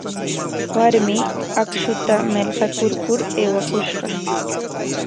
Warmi akshuta millqakurkur aywakushqa.